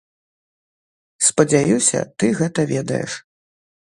Спадзяюся, ты гэта ведаеш.